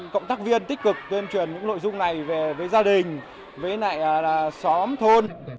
cộng tác viên tích cực tuyên truyền những nội dung này với gia đình với xóm thôn